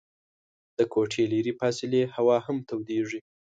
د کوټې لیري فاصلې هوا هم تودیږي.